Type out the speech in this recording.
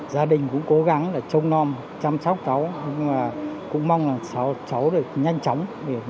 gia đình cũng cố gắng là trông non chăm sóc cháu nhưng mà cũng mong là cháu được nhanh chóng